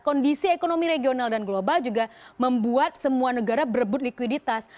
kondisi ekonomi regional dan global juga membuat semua negara berebut likuiditas